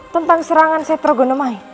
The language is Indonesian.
tentang serangan seth ragonomai